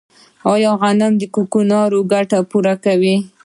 آیا غنم د کوکنارو ګټه پوره کوي؟